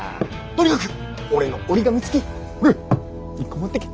とにかく俺の折り紙付き。